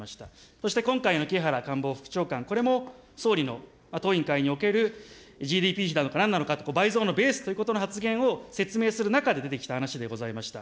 そして今回の木原官房副長官、これも総理の、当委員会におけるＧＤＰなのかなんなのかという、倍増のベースということの発言を説明する中で出てきた話でございました。